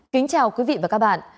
kính chào quý vị và các bạn